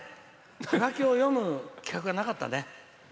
ハガキを読む企画がなかったね。